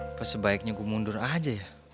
apa sebaiknya gue mundur aja ya